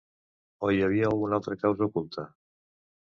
O hi havia una altra causa oculta?